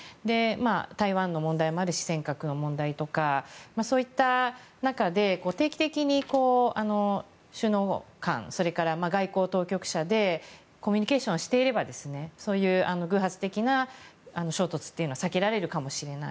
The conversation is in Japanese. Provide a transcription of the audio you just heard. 台湾の問題もあるし尖閣の問題とかそういった中で定期的に首脳間それから外交当局者でコミュニケーションしていればそういう偶発的な衝突というのは避けられるかもしれない。